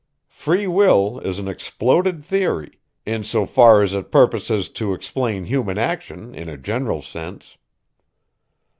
Free will is an exploded theory, in so far as it purposes to explain human action in a general sense.